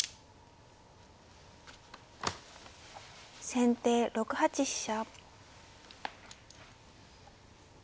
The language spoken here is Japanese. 先手６八飛車。